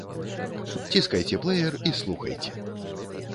Ціскайце плэер і слухайце.